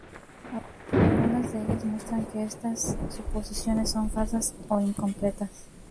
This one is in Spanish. Algunas de ellas muestran que esas suposiciones son falsas o incompletas.